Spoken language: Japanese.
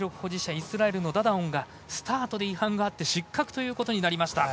イスラエルのダダオンがスタートで違反があって失格ということになりました。